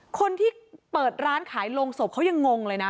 คนที่เปิดร้านขายโรงศพเขายังงงเลยนะ